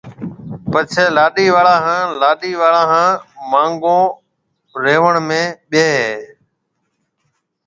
پچيَ لاڏِي آݪا ھان لاڏيَ آݪا ھان مانگو ريوڻ ۾ ٻيھيََََ ھيََََ